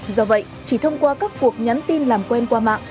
do vậy chỉ thông qua các cuộc nhắn tin làm quen qua mạng